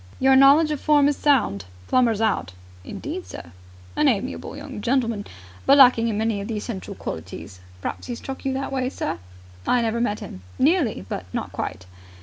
"Your knowledge of form was sound. Plummer's out!" "Indeed, sir! An amiable young gentleman, but lacking in many of the essential qualities. Perhaps he struck you that way, sir?" "I never met him. Nearly, but not quite!"